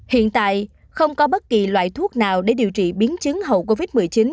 hiện tại không có bất kỳ loại thuốc nào để điều trị biến chứng hậu covid một mươi chín